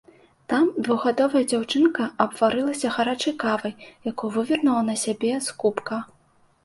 Там двухгадовая дзяўчынка абварылася гарачай кавай, якую вывернула на сябе з кубка.